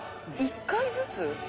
「１回ずつ？」